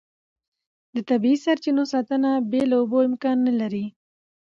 د طبیعي سرچینو ساتنه بې له اوبو امکان نه لري.